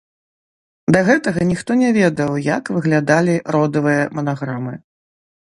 Да гэтага ніхто не ведаў, як выглядалі родавыя манаграмы.